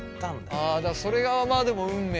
あそれがまあでも運命だ。